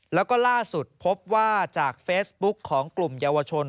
แล้วก็ล่าสุดพบว่าจากเฟซบุ๊คของกลุ่มเยาวชน